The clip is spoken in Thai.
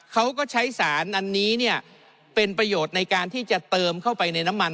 เขาก็ใช้สารอันนี้เนี่ยเป็นประโยชน์ในการที่จะเติมเข้าไปในน้ำมัน